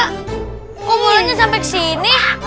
kok bolanya sampe kesini